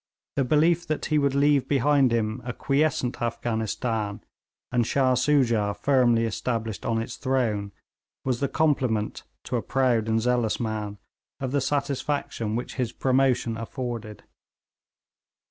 The belief that he would leave behind him a quiescent Afghanistan, and Shah Soojah firmly established on its throne, was the complement, to a proud and zealous man, of the satisfaction which his promotion afforded.